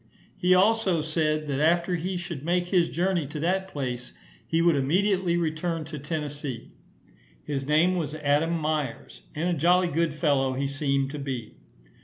He also said, that after he should make his journey to that place, he would immediately return to Tennessee. His name was Adam Myers, and a jolly good fellow he seemed to be.